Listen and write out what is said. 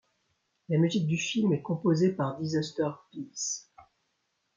La musique du film est composée par Disasterpeace.